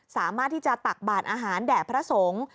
สามารถที่จะตักบาดอาหารแด่พระสงฆ์